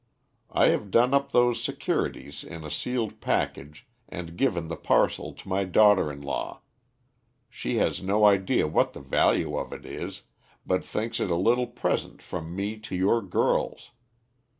I have done up those securities in a sealed package and given the parcel to my daughter in law. She has no idea what the value of it is, but thinks it a little present from me to your girls.